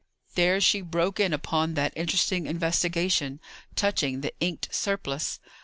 There she broke in upon that interesting investigation, touching the inked surplice.